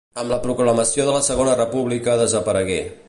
Amb la proclamació de la Segona República desaparegué.